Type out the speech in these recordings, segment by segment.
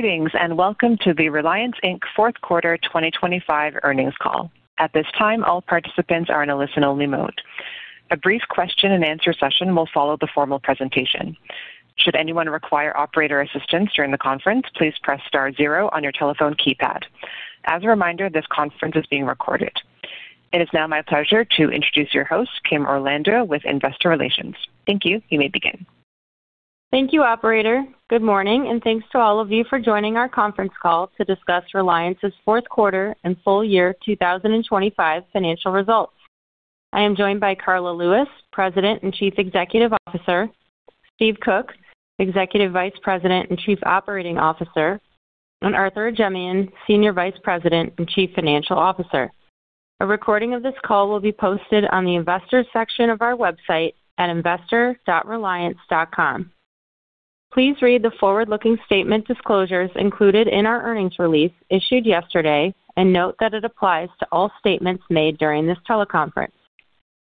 Greetings, and welcome to the Reliance, Inc Fourth Quarter 2025 Earnings Call. At this time, all participants are in a listen-only mode. A brief question and answer session will follow the formal presentation. Should anyone require operator assistance during the conference, please press star zero on your telephone keypad. As a reminder, this conference is being recorded. It is now my pleasure to introduce your host, Kim Orlando, with Investor Relations. Thank you. You may begin. Thank you, operator. Good morning, and thanks to all of you for joining our conference call to discuss Reliance's fourth quarter and full year 2025 financial results. I am joined by Karla Lewis, President and Chief Executive Officer, Steve Koch, Executive Vice President and Chief Operating Officer, and Arthur Ajemyan, Senior Vice President and Chief Financial Officer. A recording of this call will be posted on the Investors section of our website at investor.reliance.com. Please read the forward-looking statement disclosures included in our earnings release issued yesterday, and note that it applies to all statements made during this teleconference.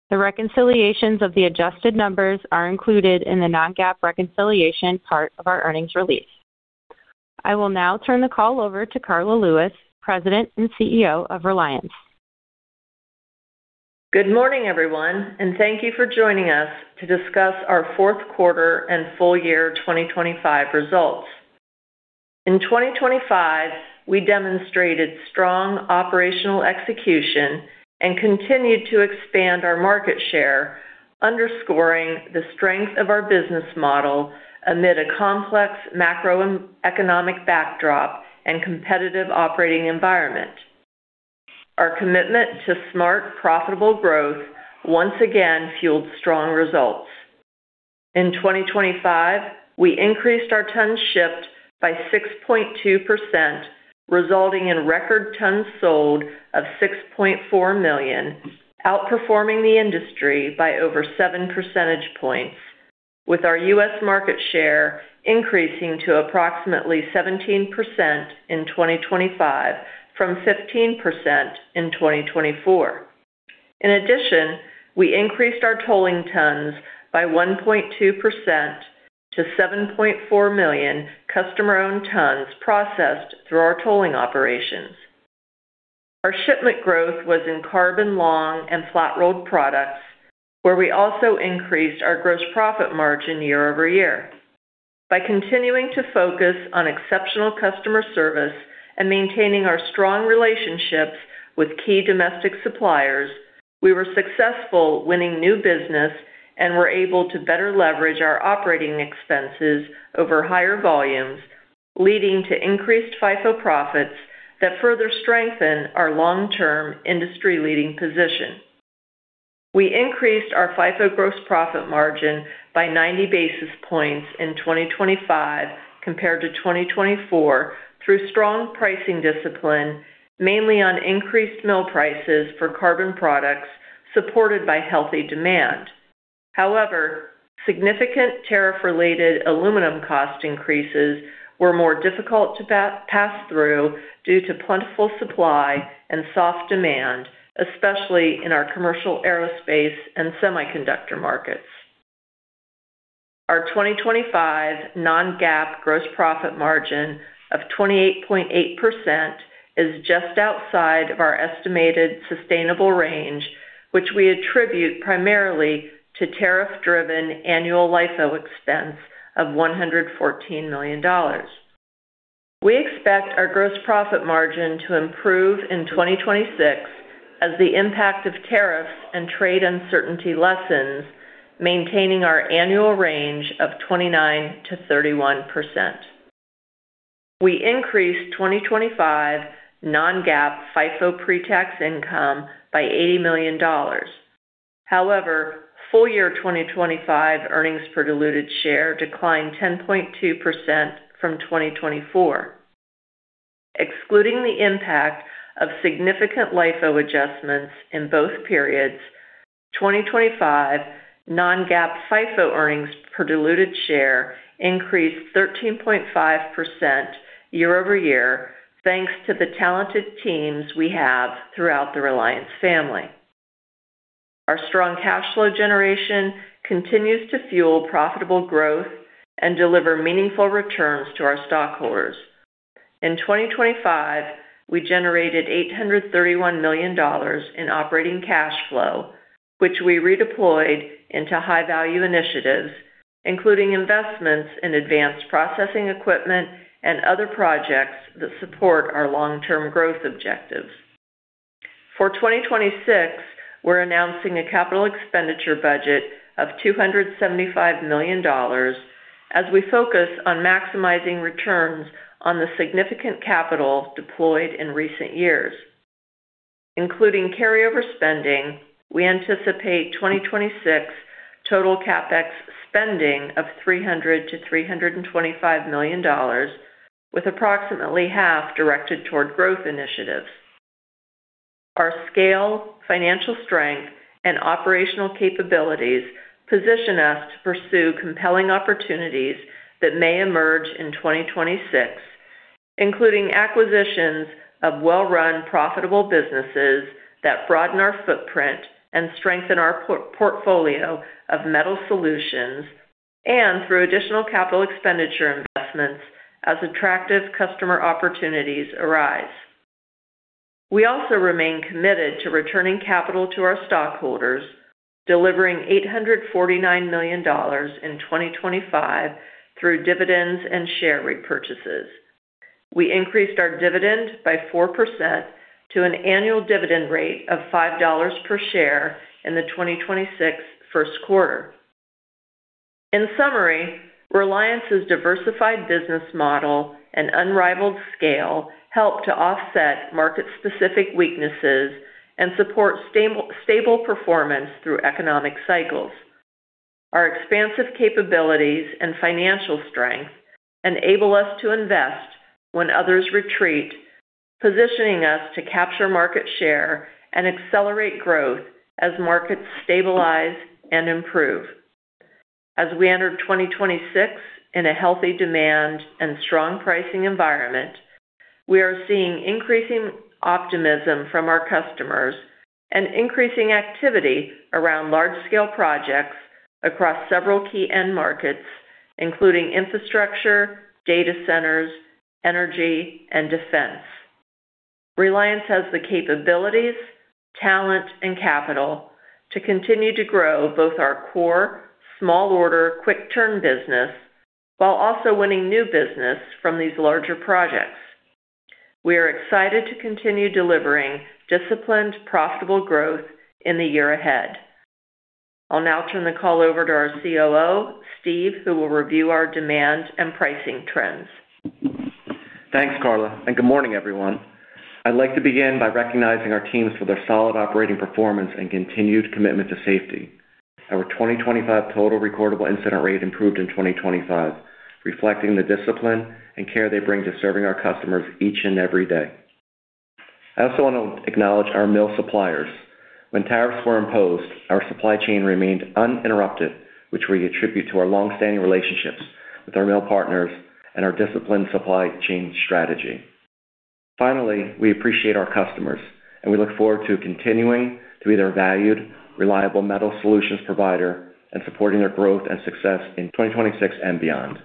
The reconciliations of the adjusted numbers are included in the non-GAAP reconciliation part of our earnings release. I will now turn the call over to Karla Lewis, President and CEO of Reliance. Good morning, everyone, and thank you for joining us to discuss our fourth quarter and full year 2025 results. In 2025, we demonstrated strong operational execution and continued to expand our market share, underscoring the strength of our business model amid a complex macroeconomic backdrop and competitive operating environment. Our commitment to smart, profitable growth once again fueled strong results. In 2025, we increased our tons shipped by 6.2%, resulting in record tons sold of 6.4 million, outperforming the industry by over seven percentage points, with our U.S. market share increasing to approximately 17% in 2025 from 15% in 2024. In addition, we increased our tolling tons by 1.2% to 7.4 million customer-owned tons processed through our tolling operations. Our shipment growth was in carbon long and flat-rolled products, where we also increased our gross profit margin year-over-year. By continuing to focus on exceptional customer service and maintaining our strong relationships with key domestic suppliers, we were successful winning new business and were able to better leverage our operating expenses over higher volumes, leading to increased FIFO profits that further strengthen our long-term industry-leading position. We increased our FIFO gross profit margin by 90 basis points in 2025 compared to 2024 through strong pricing discipline, mainly on increased mill prices for carbon products supported by healthy demand. However, significant tariff-related aluminum cost increases were more difficult to pass through due to plentiful supply and soft demand, especially in our commercial aerospace and semiconductor markets. Our 2025 non-GAAP gross profit margin of 28.8% is just outside of our estimated sustainable range, which we attribute primarily to tariff-driven annual LIFO expense of $114 million. We expect our gross profit margin to improve in 2026 as the impact of tariffs and trade uncertainty lessens, maintaining our annual range of 29%-31%. We increased 2025 non-GAAP FIFO pretax income by $80 million. However, full-year 2025 earnings per diluted share declined 10.2% from 2024. Excluding the impact of significant LIFO adjustments in both periods, 2025 non-GAAP FIFO earnings per diluted share increased 13.5% year-over-year, thanks to the talented teams we have throughout the Reliance family. Our strong cash flow generation continues to fuel profitable growth and deliver meaningful returns to our stockholders. In 2025, we generated $831 million in operating cash flow, which we redeployed into high-value initiatives, including investments in advanced processing equipment and other projects that support our long-term growth objectives. For 2026, we're announcing a capital expenditure budget of $275 million as we focus on maximizing returns on the significant capital deployed in recent years. Including carryover spending, we anticipate 2026 total CapEx spending of $300 million-$325 million, with approximately half directed toward growth initiatives. Our scale, financial strength, and operational capabilities position us to pursue compelling opportunities that may emerge in 2026, including acquisitions of well-run, profitable businesses that broaden our footprint and strengthen our portfolio of metal solutions, and through additional capital expenditure investments as attractive customer opportunities arise. We also remain committed to returning capital to our stockholders, delivering $849 million in 2025 through dividends and share repurchases. We increased our dividend by 4% to an annual dividend rate of $5 per share in the 2026 first quarter. In summary, Reliance's diversified business model and unrivaled scale help to offset market-specific weaknesses and support stable, stable performance through economic cycles. Our expansive capabilities and financial strength enable us to invest when others retreat, positioning us to capture market share and accelerate growth as markets stabilize and improve. As we entered 2026 in a healthy demand and strong pricing environment, we are seeing increasing optimism from our customers and increasing activity around large-scale projects across several key end markets, including infrastructure, data centers, energy, and defense. Reliance has the capabilities, talent, and capital to continue to grow both our core small order, quick turn business, while also winning new business from these larger projects. We are excited to continue delivering disciplined, profitable growth in the year ahead. I'll now turn the call over to our COO, Steve, who will review our demand and pricing trends. Thanks, Karla, and good morning, everyone. I'd like to begin by recognizing our teams for their solid operating performance and continued commitment to safety. Our 2025 total recordable incident rate improved in 2025, reflecting the discipline and care they bring to serving our customers each and every day. I also want to acknowledge our mill suppliers. When tariffs were imposed, our supply chain remained uninterrupted, which we attribute to our long-standing relationships with our mill partners and our disciplined supply chain strategy. Finally, we appreciate our customers, and we look forward to continuing to be their valued, reliable metal solutions provider and supporting their growth and success in 2026 and beyond.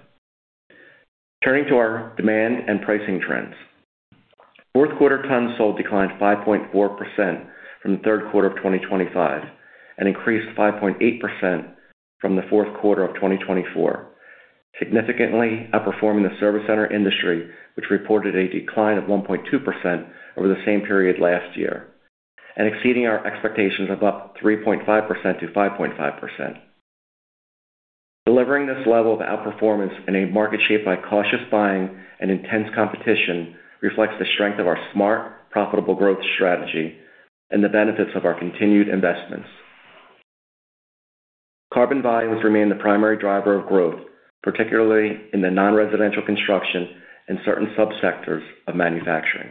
Turning to our demand and pricing trends. Fourth quarter tons sold declined 5.4% from the third quarter of 2025 and increased 5.8% from the fourth quarter of 2024, significantly outperforming the service center industry, which reported a decline of 1.2% over the same period last year, and exceeding our expectations of up 3.5%-5.5%. Delivering this level of outperformance in a market shaped by cautious buying and intense competition reflects the strength of our smart, profitable growth strategy and the benefits of our continued investments. Carbon volumes remain the primary driver of growth, particularly in the non-residential construction and certain sub-sectors of manufacturing.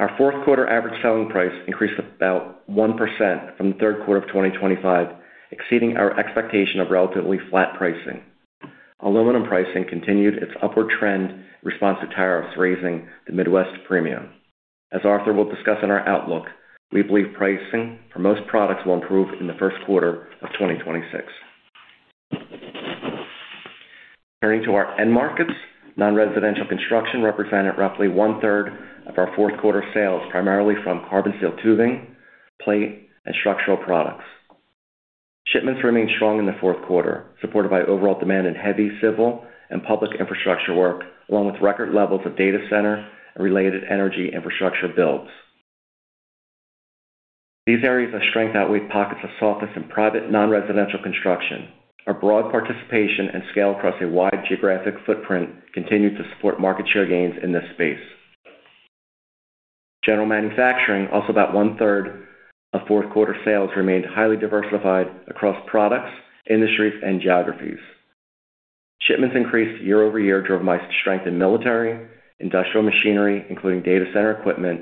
Our fourth quarter average selling price increased about 1% from the third quarter of 2025, exceeding our expectation of relatively flat pricing. Aluminum pricing continued its upward trend in response to tariffs, raising the Midwest Premium. As Arthur will discuss in our outlook, we believe pricing for most products will improve in the first quarter of 2026. Turning to our end markets, non-residential construction represented roughly one-third of our fourth quarter sales, primarily from carbon steel tubing, plate, and structural products. Shipments remained strong in the fourth quarter, supported by overall demand in heavy, civil, and public infrastructure work, along with record levels of data center and related energy infrastructure builds. These areas of strength outweighed pockets of softness in private, non-residential construction. Our broad participation and scale across a wide geographic footprint continued to support market share gains in this space. General manufacturing, also about one-third of fourth quarter sales, remained highly diversified across products, industries, and geographies. Shipments increased year-over-year, driven by strength in military, industrial machinery, including data center equipment,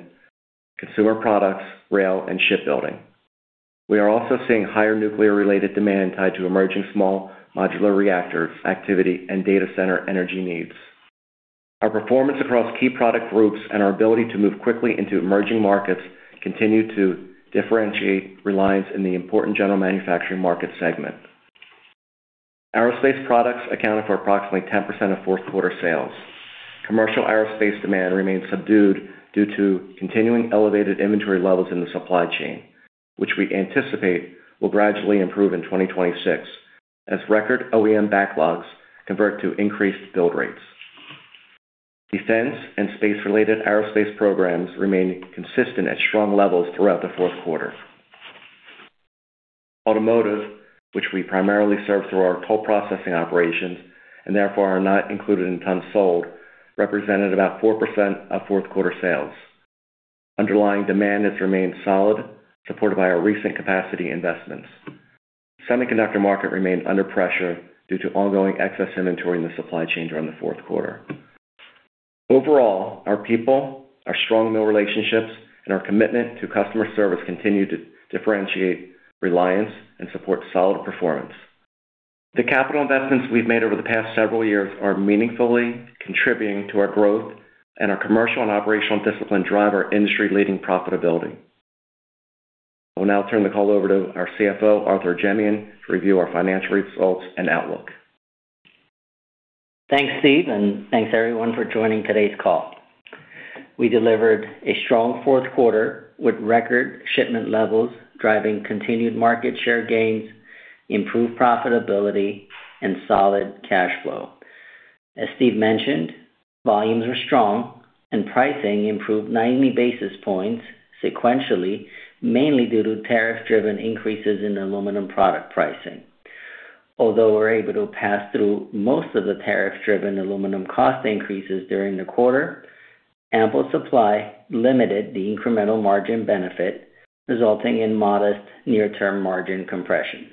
consumer products, rail, and shipbuilding. We are also seeing higher nuclear-related demand tied to emerging small modular reactor activity and data center energy needs. Our performance across key product groups and our ability to move quickly into emerging markets continue to differentiate Reliance in the important general manufacturing market segment. Aerospace products accounted for approximately 10% of fourth quarter sales. Commercial aerospace demand remains subdued due to continuing elevated inventory levels in the supply chain, which we anticipate will gradually improve in 2026 as record OEM backlogs convert to increased build rates. Defense and space-related aerospace programs remained consistent at strong levels throughout the fourth quarter. Automotive, which we primarily serve through our cold processing operations, and therefore are not included in tons sold, represented about 4% of fourth quarter sales. Underlying demand has remained solid, supported by our recent capacity investments. Semiconductor market remained under pressure due to ongoing excess inventory in the supply chain during the fourth quarter. Overall, our people, our strong mill relationships, and our commitment to customer service continue to differentiate Reliance and support solid performance. The capital investments we've made over the past several years are meaningfully contributing to our growth, and our commercial and operational discipline drive our industry-leading profitability. I'll now turn the call over to our CFO, Arthur Ajemyan, to review our financial results and outlook. Thanks, Steve, and thanks, everyone, for joining today's call. We delivered a strong fourth quarter with record shipment levels, driving continued market share gains, improved profitability, and solid cash flow. As Steve mentioned, volumes were strong and pricing improved 90 basis points sequentially, mainly due to tariff-driven increases in aluminum product pricing. Although we're able to pass through most of the tariff-driven aluminum cost increases during the quarter, ample supply limited the incremental margin benefit, resulting in modest near-term margin compression.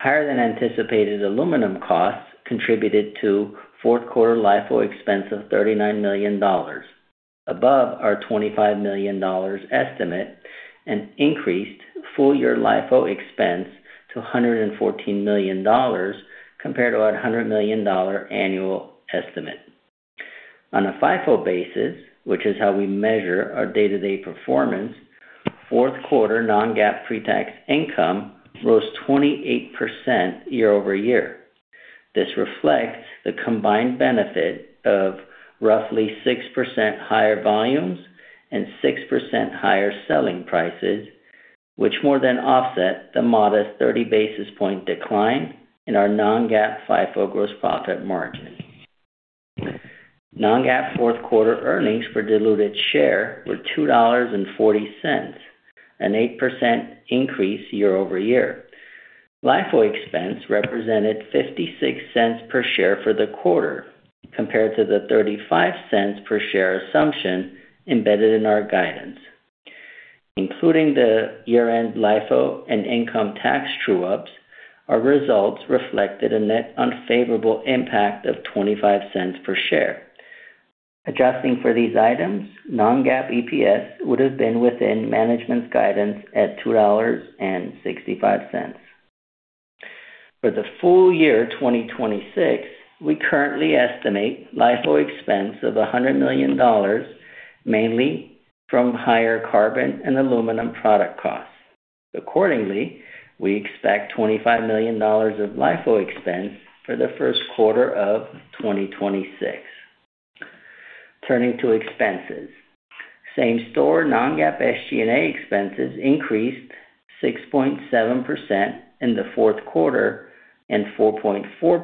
Higher than anticipated aluminum costs contributed to fourth quarter LIFO expense of $39 million, above our $25 million estimate, and increased full-year LIFO expense to $114 million, compared to $100 million annual estimate. On a FIFO basis, which is how we measure our day-to-day performance, fourth quarter non-GAAP pretax income rose 28% year-over-year. This reflects the combined benefit of roughly 6% higher volumes and 6% higher selling prices, which more than offset the modest 30 basis point decline in our non-GAAP FIFO gross profit margin. Non-GAAP fourth quarter earnings per diluted share were $2.40, an 8% increase year-over-year. LIFO expense represented $0.56 per share for the quarter, compared to the $0.35 per share assumption embedded in our guidance. Including the year-end LIFO and income tax true-ups, our results reflected a net unfavorable impact of $0.25 per share. Adjusting for these items, non-GAAP EPS would have been within management's guidance at $2.65. For the full year 2026, we currently estimate LIFO expense of $100 million, mainly from higher carbon and aluminum product costs. Accordingly, we expect $25 million of LIFO expense for the first quarter of 2026. Turning to expenses. Same-store non-GAAP SG&A expenses increased 6.7% in the fourth quarter, and 4.4% for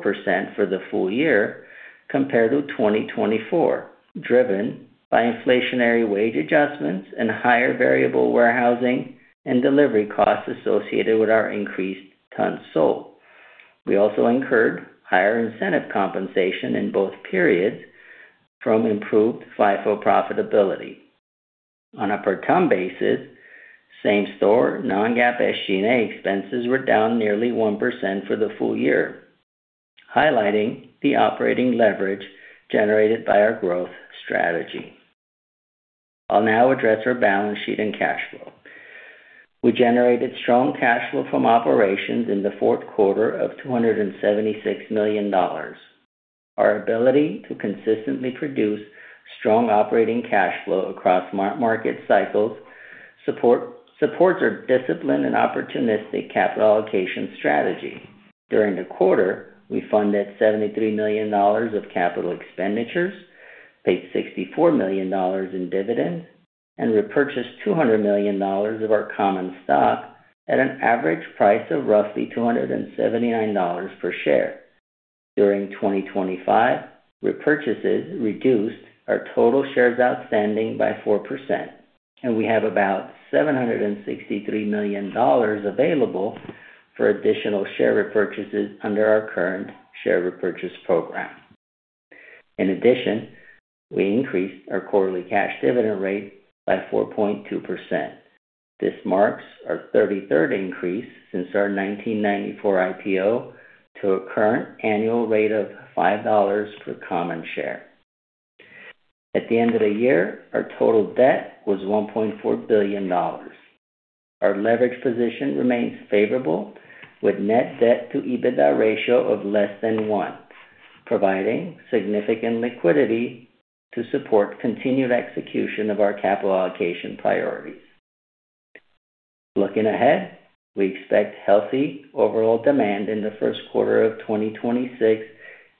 the full year compared to 2024, driven by inflationary wage adjustments and higher variable warehousing and delivery costs associated with our increased tons sold. We also incurred higher incentive compensation in both periods from improved FIFO profitability. On a per ton basis, same-store non-GAAP SG&A expenses were down nearly 1% for the full year, highlighting the operating leverage generated by our growth strategy. I'll now address our balance sheet and cash flow. We generated strong cash flow from operations in the fourth quarter of $276 million. Our ability to consistently produce strong operating cash flow across market cycles supports our discipline and opportunistic capital allocation strategy. During the quarter, we funded $73 million of capital expenditures, paid $64 million in dividends, and repurchased $200 million of our common stock at an average price of roughly $279 per share. During 2025, repurchases reduced our total shares outstanding by 4%, and we have about $763 million available for additional share repurchases under our current share repurchase program. In addition, we increased our quarterly cash dividend rate by 4.2%. This marks our 33rd increase since our 1994 IPO to a current annual rate of $5 per common share. At the end of the year, our total debt was $1.4 billion. Our leverage position remains favorable, with net debt to EBITDA ratio of less than one, providing significant liquidity to support continued execution of our capital allocation priorities. Looking ahead, we expect healthy overall demand in the first quarter of 2026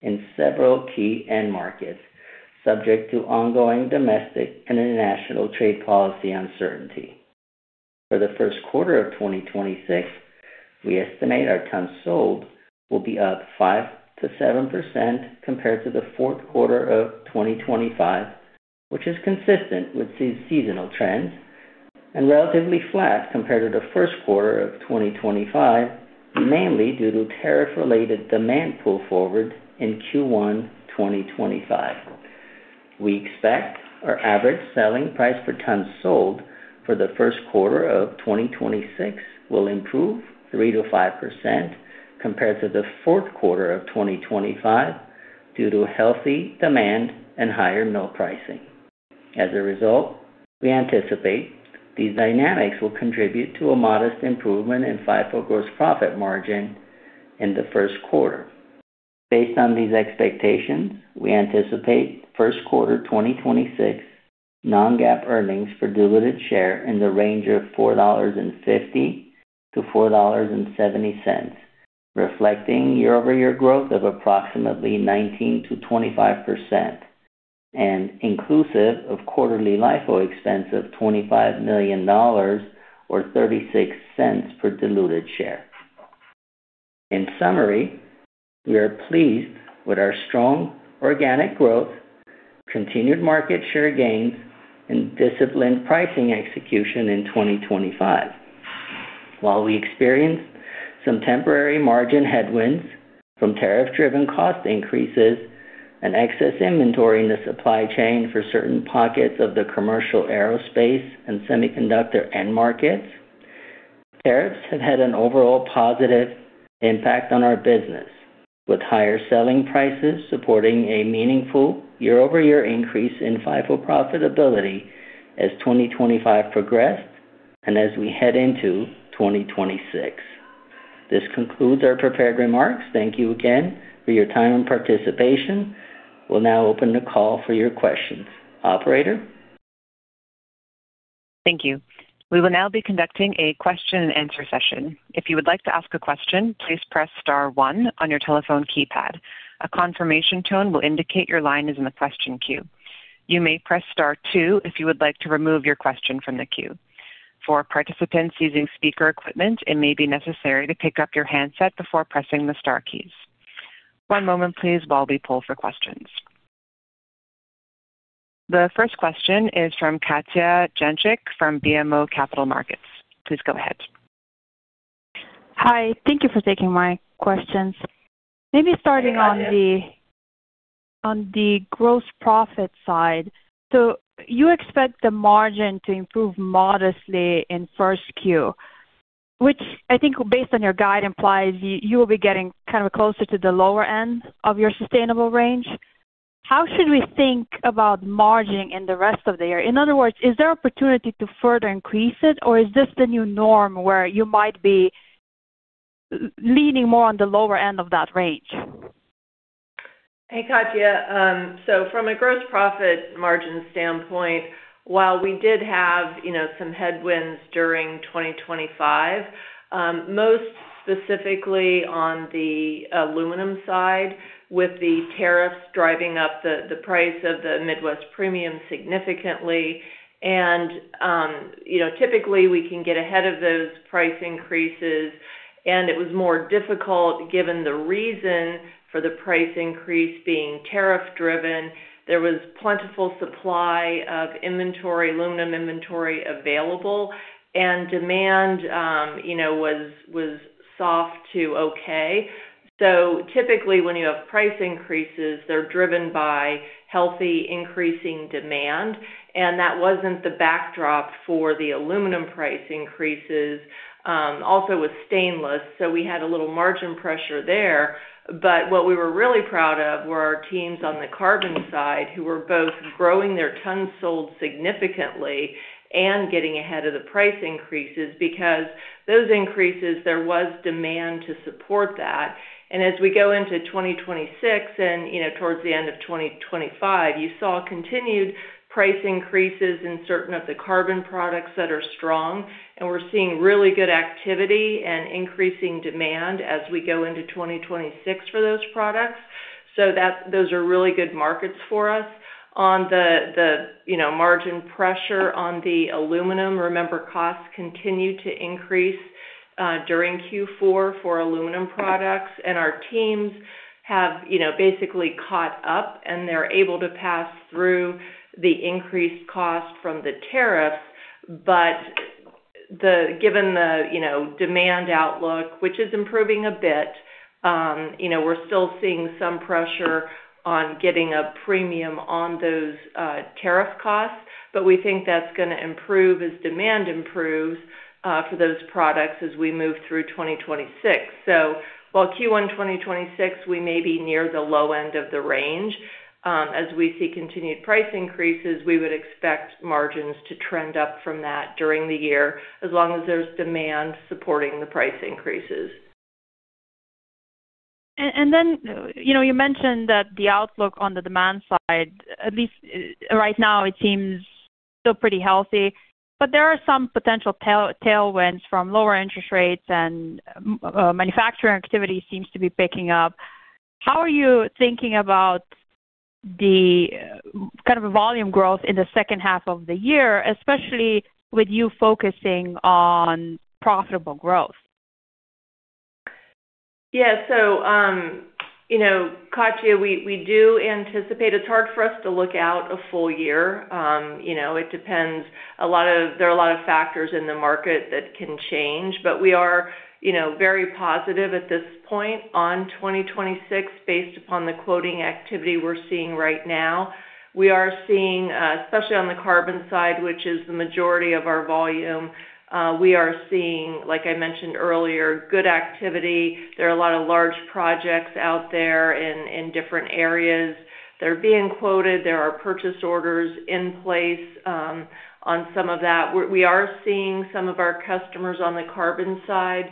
in several key end markets, subject to ongoing domestic and international trade policy uncertainty. For the first quarter of 2026, we estimate our tons sold will be up 5%-7% compared to the fourth quarter of 2025, which is consistent with seasonal trends and relatively flat compared to the first quarter of 2025, mainly due to tariff-related demand pull forward in Q1 2025. We expect our average selling price per ton sold for the first quarter of 2026 will improve 3%-5% compared to the fourth quarter of 2025 due to healthy demand and higher mill pricing. As a result, we anticipate these dynamics will contribute to a modest improvement in FIFO gross profit margin in the first quarter. Based on these expectations, we anticipate first quarter 2026 non-GAAP earnings per diluted share in the range of $4.50-$4.70, reflecting year-over-year growth of approximately 19%-25%, and inclusive of quarterly LIFO expense of $25 million, or $0.36 per diluted share. In summary, we are pleased with our strong organic growth, continued market share gains, and disciplined pricing execution in 2025. While we experienced some temporary margin headwinds from tariff-driven cost increases and excess inventory in the supply chain for certain pockets of the commercial aerospace and semiconductor end markets, tariffs have had an overall positive impact on our business, with higher selling prices supporting a meaningful year-over-year increase in FIFO profitability as 2025 progressed and as we head into 2026. This concludes our prepared remarks. Thank you again for your time and participation. We'll now open the call for your questions. Operator? Thank you. We will now be conducting a question-and-answer session. If you would like to ask a question, please press star one on your telephone keypad. A confirmation tone will indicate your line is in the question queue. You may press star two if you would like to remove your question from the queue. For participants using speaker equipment, it may be necessary to pick up your handset before pressing the star keys. One moment please, while we pull for questions. The first question is from Katja Jancic from BMO Capital Markets. Please go ahead. Hi, thank you for taking my questions. Maybe starting on the gross profit side. So you expect the margin to improve modestly in first Q, which I think, based on your guide, implies you will be getting kind of closer to the lower end of your sustainable range. How should we think about margining in the rest of the year? In other words, is there opportunity to further increase it, or is this the new norm where you might be leaning more on the lower end of that range? Hey, Katja. So from a gross profit margin standpoint, while we did have, you know, some headwinds during 2025, most specifically on the aluminum side, with the tariffs driving up the price of the Midwest Premium significantly. And, you know, typically we can get ahead of those price increases, and it was more difficult given the reason for the price increase being tariff-driven. There was plentiful supply of inventory, aluminum inventory available, and demand, you know, was soft to okay. So typically, when you have price increases, they're driven by healthy increasing demand, and that wasn't the backdrop for the aluminum price increases, also with stainless, so we had a little margin pressure there. But what we were really proud of were our teams on the carbon side, who were both growing their tons sold significantly and getting ahead of the price increases, because those increases, there was demand to support that. And as we go into 2026 and, you know, towards the end of 2025, you saw continued price increases in certain of the carbon products that are strong, and we're seeing really good activity and increasing demand as we go into 2026 for those products. So that, those are really good markets for us. On the, you know, margin pressure on the aluminum, remember, costs continued to increase during Q4 for aluminum products, and our teams have, you know, basically caught up, and they're able to pass through the increased cost from the tariffs. But given the, you know, demand outlook, which is improving a bit, you know, we're still seeing some pressure on getting a premium on those tariff costs, but we think that's gonna improve as demand improves for those products as we move through 2026. So while Q1 2026, we may be near the low end of the range, as we see continued price increases, we would expect margins to trend up from that during the year, as long as there's demand supporting the price increases. And then, you know, you mentioned that the outlook on the demand side, at least right now, it seems still pretty healthy, but there are some potential tailwinds from lower interest rates and, manufacturing activity seems to be picking up. How are you thinking about the kind of volume growth in the second half of the year, especially with you focusing on profitable growth? Yeah. So, you know, Katja, we do anticipate it's hard for us to look out a full year. You know, it depends. There are a lot of factors in the market that can change, but we are you know, very positive at this point on 2026, based upon the quoting activity we're seeing right now. We are seeing, especially on the carbon side, which is the majority of our volume, we are seeing, like I mentioned earlier, good activity. There are a lot of large projects out there in different areas. They're being quoted. There are purchase orders in place, on some of that. We are seeing some of our customers on the carbon side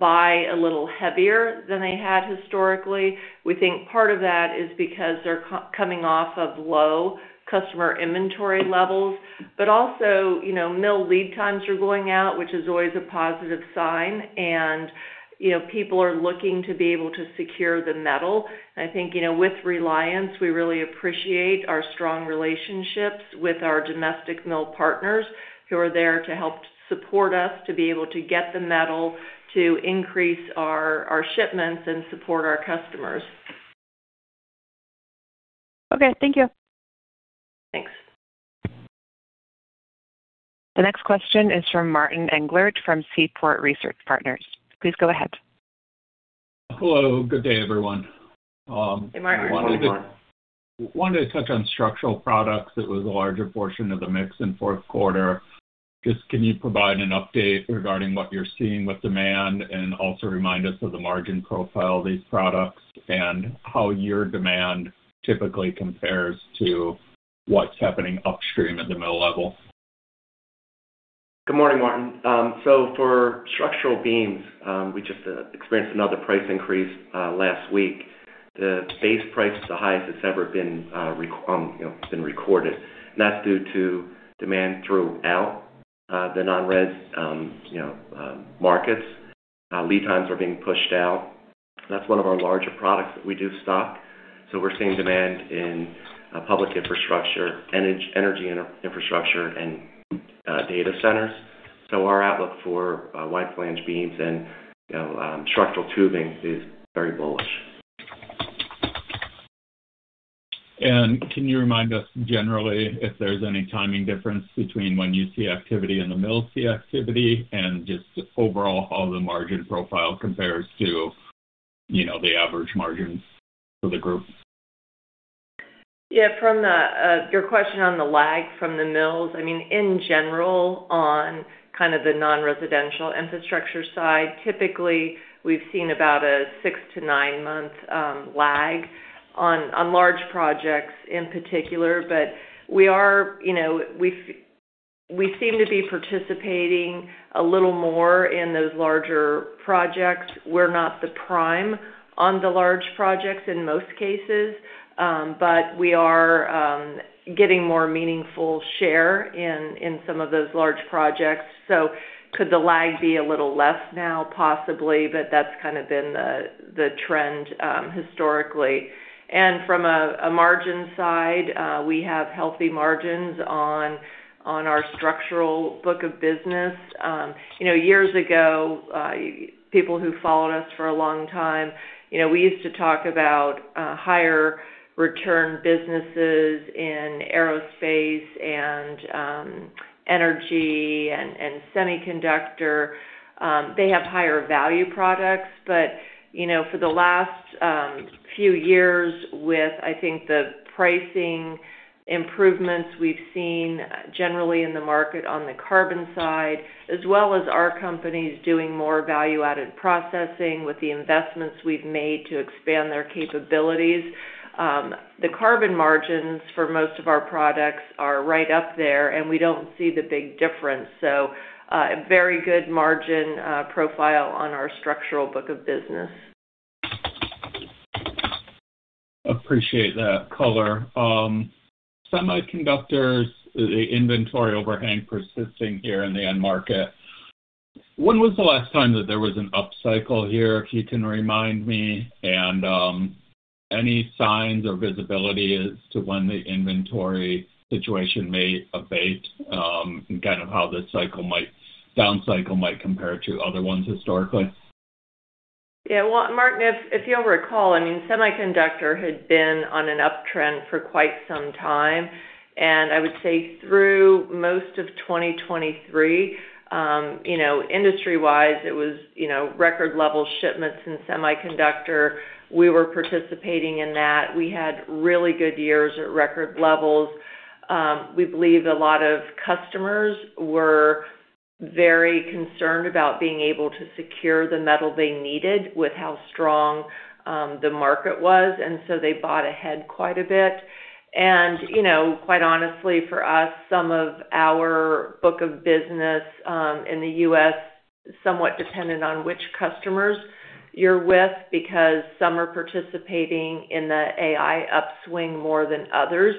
buy a little heavier than they had historically. We think part of that is because they're coming off of low customer inventory levels, but also, you know, mill lead times are going out, which is always a positive sign. And, you know, people are looking to be able to secure the metal. I think, you know, with Reliance, we really appreciate our strong relationships with our domestic mill partners, who are there to help support us, to be able to get the metal, to increase our shipments and support our customers. Okay, thank you. Thanks. The next question is from Martin Englert, from Seaport Research Partners. Please go ahead. Hello, good day, everyone. Hey, Martin. Wanted to touch on structural products. It was a larger portion of the mix in fourth quarter. Just can you provide an update regarding what you're seeing with demand, and also remind us of the margin profile of these products, and how your demand typically compares to what's happening upstream at the mill level? Good morning, Martin. So for structural beams, we just experienced another price increase last week. The base price is the highest it's ever been, you know, been recorded. And that's due to demand throughout the non-residential markets. Lead times are being pushed out. That's one of our larger products that we do stock. So we're seeing demand in public infrastructure, energy and infrastructure, and data centers. So our outlook for wide flange beams and, you know, structural tubing is very bullish. Can you remind us generally if there's any timing difference between when you see activity and the mills see activity, and just overall how the margin profile compares to, you know, the average margins for the group? Yeah, from the your question on the lag from the mills, I mean, in general, on kind of the non-residential infrastructure side, typically, we've seen about a six-nine-month lag on large projects in particular. But we are, you know, we seem to be participating a little more in those larger projects. We're not the prime on the large projects in most cases, but we are getting more meaningful share in some of those large projects. So could the lag be a little less now? Possibly, but that's kind of been the trend historically. And from a margin side, we have healthy margins on our structural book of business. You know, years ago, people who followed us for a long time, you know, we used to talk about higher return businesses in aerospace and energy and semiconductor. They have higher value products, but, you know, for the last few years, with I think the pricing improvements we've seen generally in the market on the carbon side, as well as our companies doing more value-added processing with the investments we've made to expand their capabilities, the carbon margins for most of our products are right up there, and we don't see the big difference. So, a very good margin profile on our structural book of business. Appreciate that color. Semiconductors, the inventory overhang persisting here in the end market. When was the last time that there was an upcycle here, if you can remind me? And, any signs or visibility as to when the inventory situation may abate, and kind of how this cycle might, down cycle might compare to other ones historically? Yeah, well, Martin, if you'll recall, I mean, semiconductor had been on an uptrend for quite some time, and I would say through most of 2023, you know, industry-wise, it was, you know, record-level shipments in semiconductor. We were participating in that. We had really good years at record levels. We believe a lot of customers were very concerned about being able to secure the metal they needed with how strong the market was, and so they bought ahead quite a bit. And, you know, quite honestly, for us, some of our book of business in the U.S., somewhat depended on which customers you're with, because some are participating in the AI upswing more than others.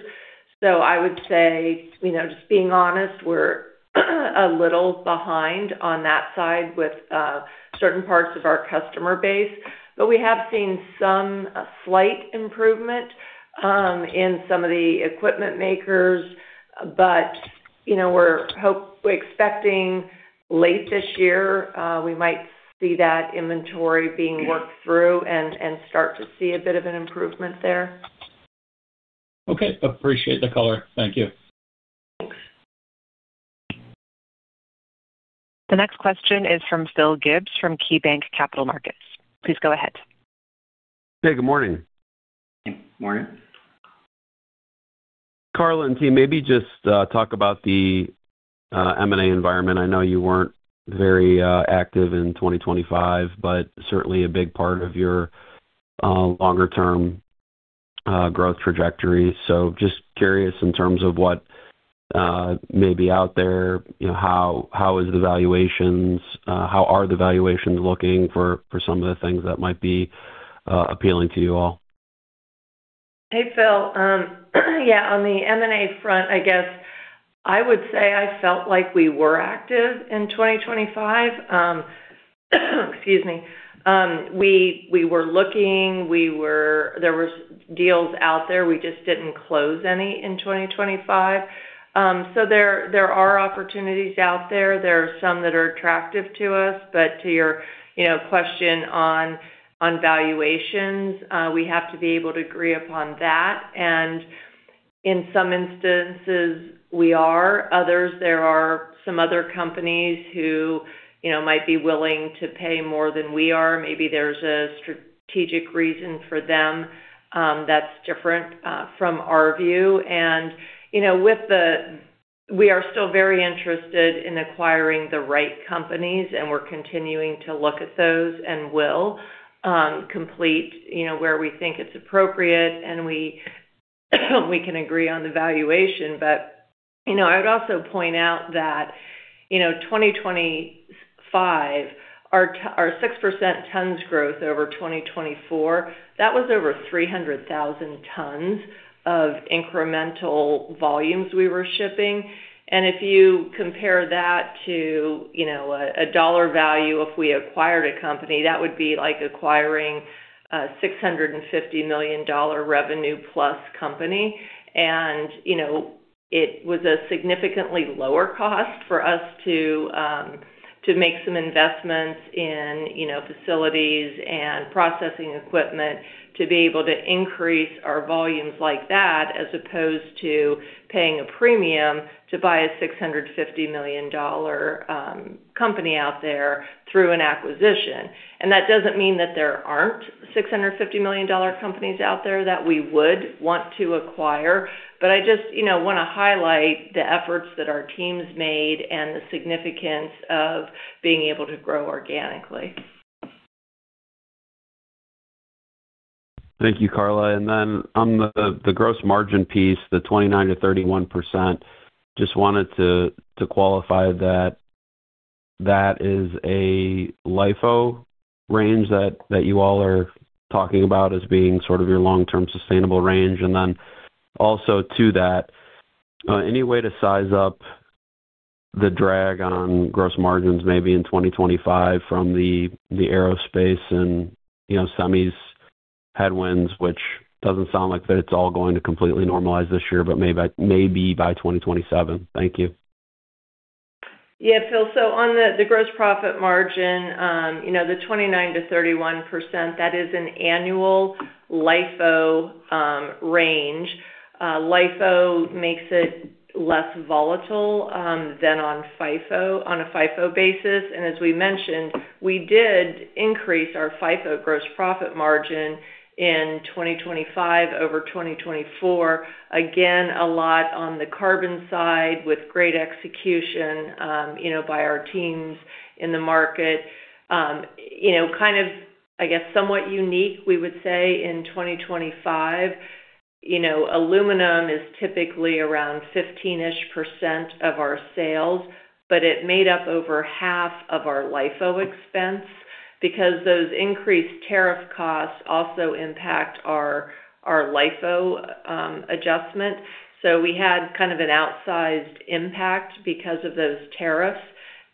So I would say, you know, just being honest, we're a little behind on that side with certain parts of our customer base. But we have seen some slight improvement in some of the equipment makers. But, you know, we're expecting late this year we might see that inventory being worked through and start to see a bit of an improvement there. Okay, appreciate the color. Thank you. The next question is from Phil Gibbs from KeyBanc Capital Markets. Please go ahead. Hey, good morning. Good morning. Karla and team, maybe just talk about the M&A environment. I know you weren't very active in 2025, but certainly a big part of your longer term growth trajectory. So just curious in terms of what may be out there, you know, how, how is the valuations, how are the valuations looking for, for some of the things that might be appealing to you all? Hey, Phil. Yeah, on the M&A front, I guess I would say I felt like we were active in 2025. Excuse me. We were looking; there was deals out there. We just didn't close any in 2025. So there are opportunities out there. There are some that are attractive to us. But to your, you know, question on valuations, we have to be able to agree upon that, and in some instances, we are. Others, there are some other companies who, you know, might be willing to pay more than we are. Maybe there's a strategic reason for them that's different from our view. And, you know, with the... We are still very interested in acquiring the right companies, and we're continuing to look at those and will complete, you know, where we think it's appropriate and we can agree on the valuation. But, you know, I would also point out that, you know, 2025, our 6% tons growth over 2024, that was over 300,000 tons of incremental volumes we were shipping. And if you compare that to, you know, a dollar value, if we acquired a company, that would be like acquiring a $650 million revenue plus company. You know, it was a significantly lower cost for us to make some investments in, you know, facilities and processing equipment to be able to increase our volumes like that, as opposed to paying a premium to buy a $650 million company out there through an acquisition. And that doesn't mean that there aren't $650 million companies out there that we would want to acquire, but I just, you know, want to highlight the efforts that our teams made and the significance of being able to grow organically. Thank you, Karla. Then on the gross margin piece, the 29%-31%, just wanted to qualify that, that is a LIFO range that you all are talking about as being sort of your long-term sustainable range. And then also to that, any way to size up the drag on gross margins, maybe in 2025 from the aerospace and, you know, semis headwinds, which doesn't sound like that it's all going to completely normalize this year, but maybe, maybe by 2027. Thank you. Yeah, Phil. So on the gross profit margin, you know, the 29%-31%, that is an annual LIFO range. LIFO makes it less volatile than on FIFO, on a FIFO basis. And as we mentioned, we did increase our FIFO gross profit margin in 2025 over 2024. Again, a lot on the carbon side with great execution, you know, by our teams in the market. You know, kind of, I guess, somewhat unique, we would say in 2025, you know, aluminum is typically around 15-ish% of our sales, but it made up over half of our LIFO expense because those increased tariff costs also impact our LIFO adjustment. So we had kind of an outsized impact because of those tariffs.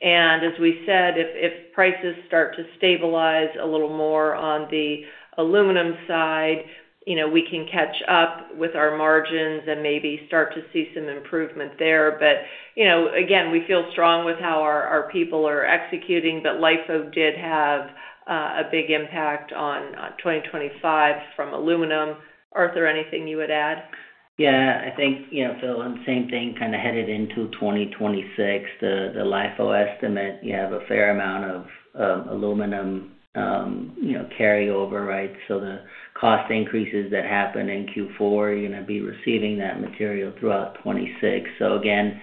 As we said, if prices start to stabilize a little more on the aluminum side, you know, we can catch up with our margins and maybe start to see some improvement there. But, you know, again, we feel strong with how our people are executing, but LIFO did have a big impact on 2025 from aluminum. Arthur, anything you would add? Yeah, I think, you know, Phil, on the same thing, kind of headed into 2026, the LIFO estimate, you have a fair amount of aluminum, you know, carryover, right? So the cost increases that happened in Q4, you're going to be receiving that material throughout 2026. So again,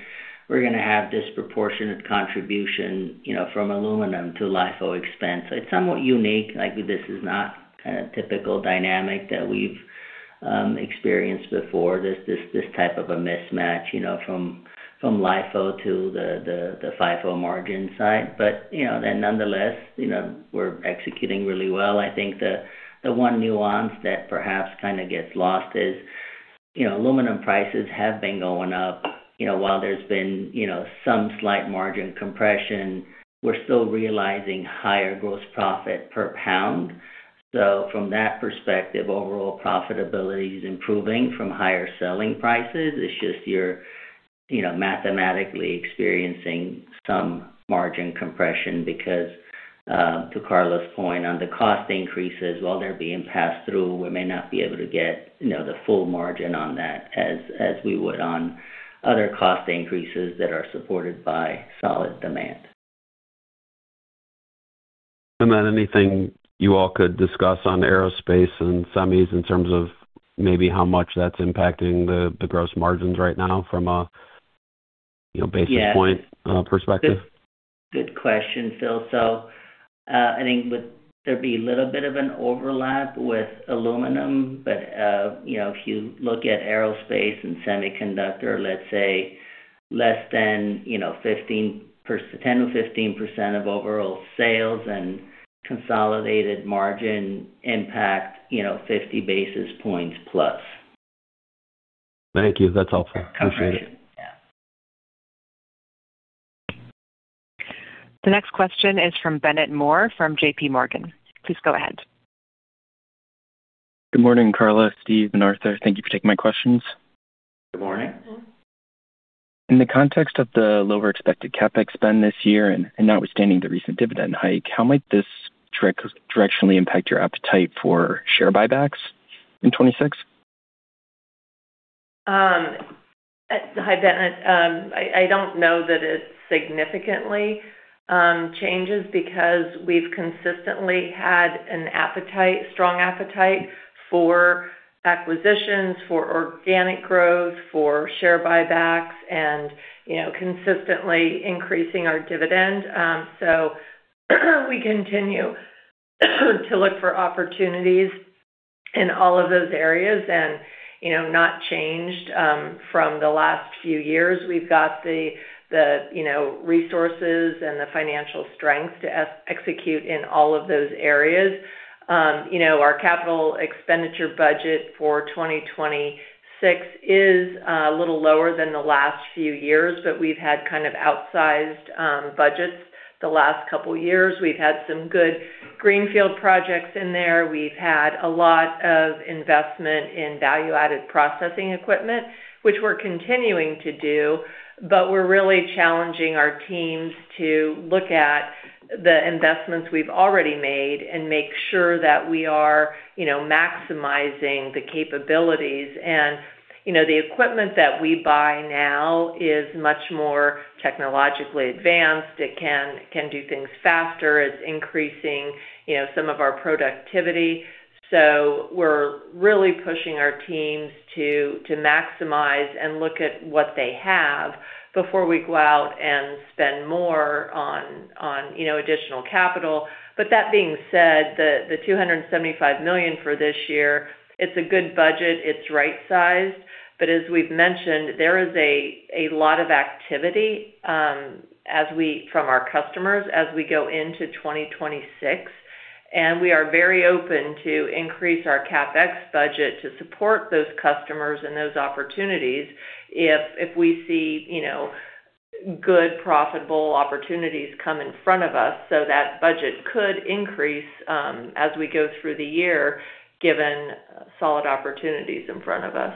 we're going to have disproportionate contribution, you know, from aluminum to LIFO expense. It's somewhat unique. Like, this is not kind of typical dynamic that we've experienced before, this type of a mismatch, you know, from LIFO to the FIFO margin side. But, you know, then nonetheless, you know, we're executing really well. I think the one nuance that perhaps kind of gets lost is, you know, aluminum prices have been going up. You know, while there's been, you know, some slight margin compression, we're still realizing higher gross profit per pound. So from that perspective, overall profitability is improving from higher selling prices. It's just you know, mathematically experiencing some margin compression because, to Karla's point on the cost increases, while they're being passed through, we may not be able to get, you know, the full margin on that as, as we would on other cost increases that are supported by solid demand. And then anything you all could discuss on aerospace and semis in terms of maybe how much that's impacting the, the gross margins right now from a, you know, basis point- Yeah. -uh, perspective? Good question, Phil. So, I think would there be a little bit of an overlap with aluminum, but, you know, if you look at aerospace and semiconductor, let's say, less than, you know, 15%—10%-15% of overall sales and consolidated margin impact, you know, 50 basis points plus. Thank you. That's helpful. Appreciate it. Yeah. The next question is from Bennett Moore, from JPMorgan. Please go ahead. Good morning, Karla, Steve, and Arthur. Thank you for taking my questions. Good morning. Good morning. In the context of the lower expected CapEx spend this year and notwithstanding the recent dividend hike, how might this directionally impact your appetite for share buybacks in 2026? Hi, Bennett. I don't know that it significantly changes, because we've consistently had an appetite, strong appetite for acquisitions, for organic growth, for share buybacks and, you know, consistently increasing our dividend. So we continue to look for opportunities in all of those areas and, you know, not changed from the last few years. We've got the, you know, resources and the financial strength to execute in all of those areas. You know, our capital expenditure budget for 2026 is a little lower than the last few years, but we've had kind of outsized budgets the last couple of years. We've had some good greenfield projects in there. We've had a lot of investment in value-added processing equipment, which we're continuing to do, but we're really challenging our teams to look at the investments we've already made and make sure that we are, you know, maximizing the capabilities. And, you know, the equipment that we buy now is much more technologically advanced. It can, it can do things faster. It's increasing, you know, some of our productivity. So we're really pushing our teams to, to maximize and look at what they have before we go out and spend more on, on, you know, additional capital. But that being said, the $275 million for this year, it's a good budget. It's right-sized. But as we've mentioned, there is a lot of activity from our customers as we go into 2026, and we are very open to increase our CapEx budget to support those customers and those opportunities if we see, you know, good, profitable opportunities come in front of us. So that budget could increase as we go through the year, given solid opportunities in front of us.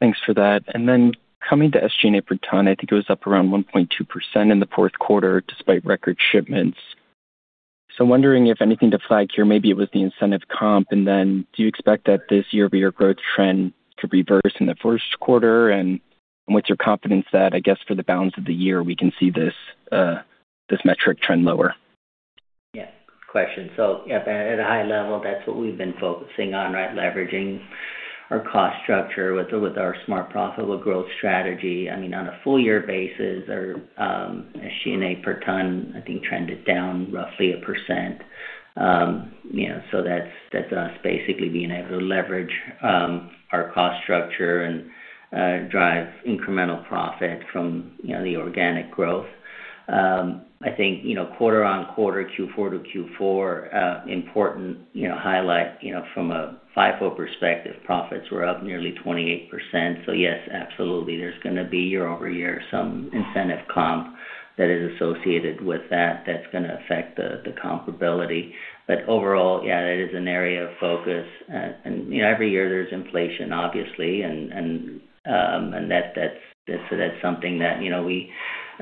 Thanks for that. And then coming to SG&A per ton, I think it was up around 1.2% in the fourth quarter, despite record shipments. So I'm wondering if anything to flag here, maybe it was the incentive comp. And then, do you expect that this year, your growth trend to reverse in the first quarter? And what's your confidence that, I guess, for the balance of the year, we can see this, this metric trend lower? Yeah, good question. So at a high level, that's what we've been focusing on, right? Leveraging our cost structure with our smart, profitable growth strategy. I mean, on a full year basis, our SG&A per ton, I think, trended down roughly a percent. You know, so that's us basically being able to leverage our cost structure and drive incremental profit from, you know, the organic growth. I think, you know, quarter-on-quarter, Q4 to Q4, important, you know, highlight, you know, from a FIFO perspective, profits were up nearly 28%. So yes, absolutely, there's gonna be year-over-year some incentive comp that is associated with that. That's gonna affect the comparability. But overall, yeah, that is an area of focus. And, you know, every year there's inflation, obviously, and that. So that's something that, you know, we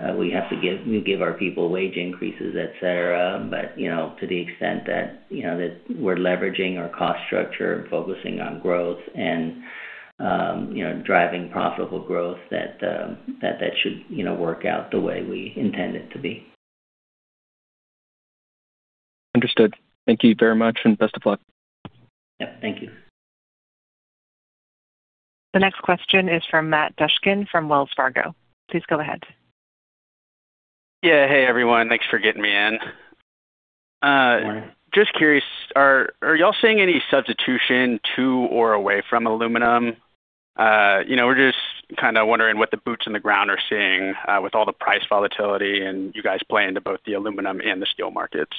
have to give. We give our people wage increases, et cetera. But, you know, to the extent that, you know, that we're leveraging our cost structure and focusing on growth and, you know, driving profitable growth, that should, you know, work out the way we intend it to be. Understood. Thank you very much, and best of luck. Yeah, thank you. The next question is from Matt Dushkin, from Wells Fargo. Please go ahead. Yeah. Hey, everyone. Thanks for getting me in. Good morning. Just curious, are you all seeing any substitution to or away from aluminum? You know, we're just kind of wondering what the boots on the ground are seeing, with all the price volatility, and you guys play into both the aluminum and the steel markets.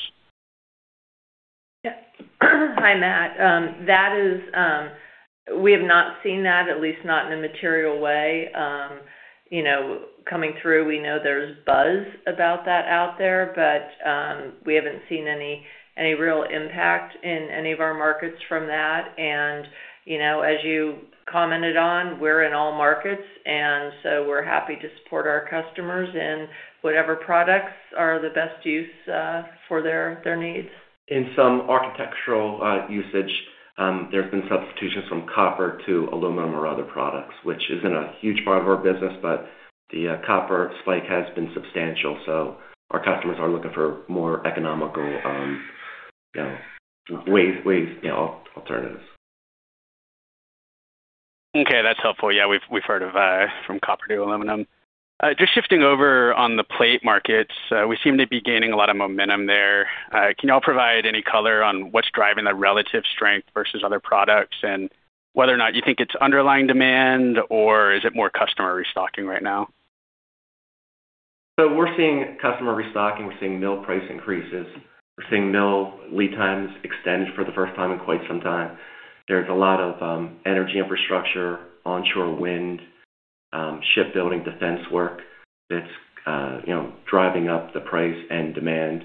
Yeah. Hi, Matt. That is, we have not seen that, at least not in a material way. You know, coming through, we know there's buzz about that out there, but, we haven't seen any real impact in any of our markets from that. And, you know, as you commented on, we're in all markets, and so we're happy to support our customers in whatever products are the best use for their needs. In some architectural usage, there have been substitutions from copper to aluminum or other products, which isn't a huge part of our business, but the copper spike has been substantial, so our customers are looking for more economical, you know, weight alternatives. Okay, that's helpful. Yeah, we've heard of from copper to aluminum. Just shifting over on the plate markets, we seem to be gaining a lot of momentum there. Can you all provide any color on what's driving the relative strength versus other products and whether or not you think it's underlying demand, or is it more customer restocking right now? So we're seeing customer restocking. We're seeing mill price increases. We're seeing mill lead times extend for the first time in quite some time. There's a lot of energy infrastructure, onshore wind, shipbuilding, defense work that's, you know, driving up the price and demand.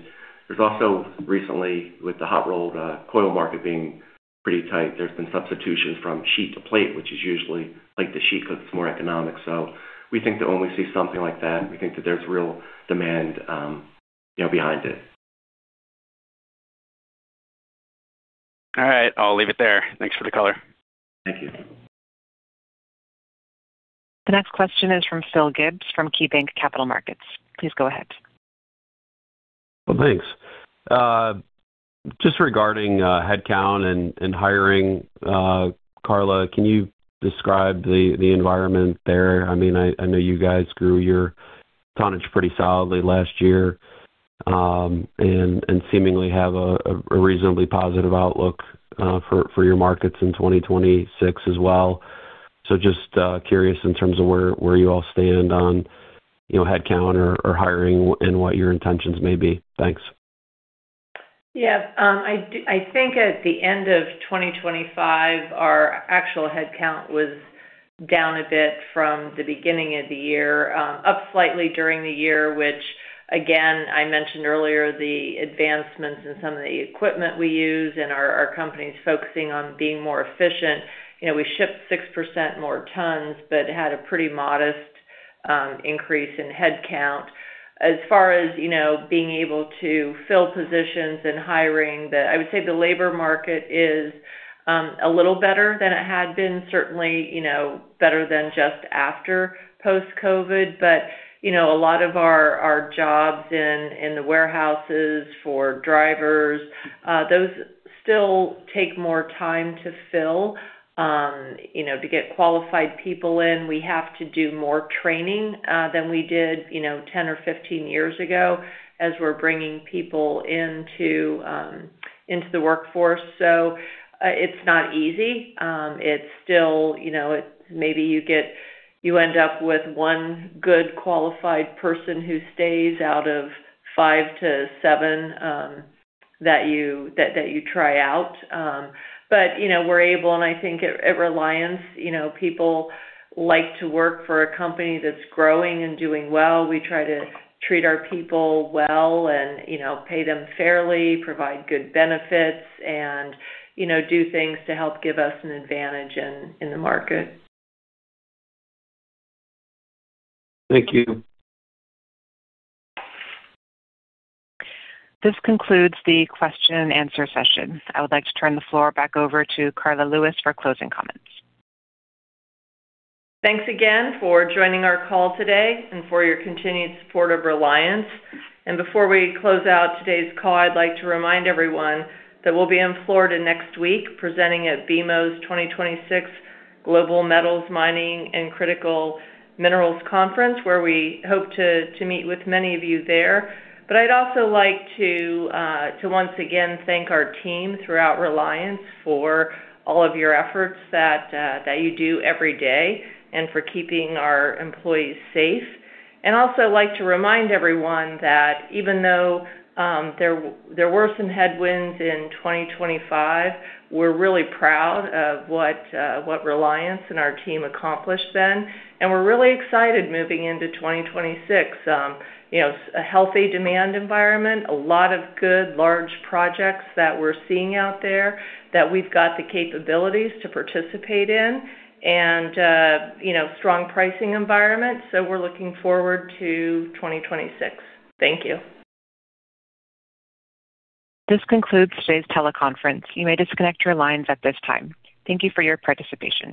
There's also recently, with the hot rolled coil market being pretty tight, there's been substitution from sheet to plate, which is usually plate to sheet because it's more economic. So we think that when we see something like that, we think that there's real demand, you know, behind it. All right. I'll leave it there. Thanks for the color. Thank you. The next question is from Phil Gibbs, from KeyBanc Capital Markets. Please go ahead. Well, thanks. Just regarding headcount and hiring, Karla, can you describe the environment there? I mean, I know you guys grew your tonnage pretty solidly last year, and seemingly have a reasonably positive outlook for your markets in 2026 as well. So just curious in terms of where you all stand on, you know, headcount or hiring and what your intentions may be. Thanks. Yeah. I think at the end of 2025, our actual headcount was down a bit from the beginning of the year. Up slightly during the year, which again, I mentioned earlier, the advancements in some of the equipment we use and our company's focusing on being more efficient. You know, we shipped 6% more tons, but had a pretty modest increase in headcount. As far as, you know, being able to fill positions and hiring, I would say the labor market is a little better than it had been. Certainly, you know, better than just after post-COVID. But, you know, a lot of our jobs in the warehouses for drivers, those still take more time to fill. You know, to get qualified people in, we have to do more training than we did, you know, 10 or 15 years ago, as we're bringing people into the workforce. So, it's not easy. It's still, you know, it's maybe you end up with one good qualified person who stays out of five to seven that you try out. But, you know, we're able and I think at Reliance, you know, people like to work for a company that's growing and doing well. We try to treat our people well and, you know, pay them fairly, provide good benefits and, you know, do things to help give us an advantage in the market. Thank you. This concludes the question and answer session. I would like to turn the floor back over to Karla Lewis for closing comments. Thanks again for joining our call today and for your continued support of Reliance. Before we close out today's call, I'd like to remind everyone that we'll be in Florida next week presenting at BMO's 2026 Global Metals, Mining, and Critical Minerals Conference, where we hope to meet with many of you there. But I'd also like to once again thank our team throughout Reliance for all of your efforts that you do every day and for keeping our employees safe. I'd also like to remind everyone that even though there were some headwinds in 2025, we're really proud of what Reliance and our team accomplished then, and we're really excited moving into 2026. You know, a healthy demand environment, a lot of good large projects that we're seeing out there, that we've got the capabilities to participate in and, you know, strong pricing environment. So we're looking forward to 2026. Thank you. This concludes today's teleconference. You may disconnect your lines at this time. Thank you for your participation.